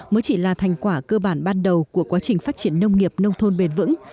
mới chỉ là thành quả cơ bản ban đầu của quá trình phát triển nông nghiệp nông thôn bền vững